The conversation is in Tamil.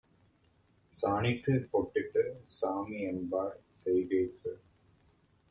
சாணிக்குப் பொட்டிட்டுச் சாமிஎன்பார் செய்கைக்கு